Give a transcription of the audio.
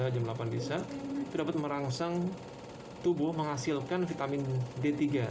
jam delapan bisa itu dapat merangsang tubuh menghasilkan vitamin d tiga